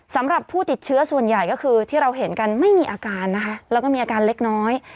สำหรับผู้ติดเชื้อส่วนใหญ่ก็คือที่เราเห็นกันไม่มีอาการนะคะแล้วก็มีอาการเล็กน้อย